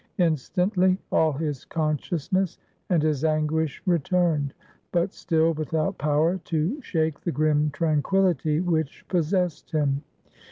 Instantly all his consciousness and his anguish returned, but still without power to shake the grim tranquillity which possessed him.